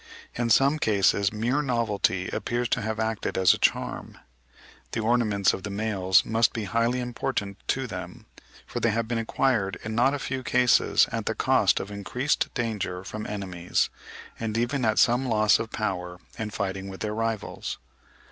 In some cases mere novelty appears to have acted as a charm. The ornaments of the males must be highly important to them, for they have been acquired in not a few cases at the cost of increased danger from enemies, and even at some loss of power in fighting with their rivals.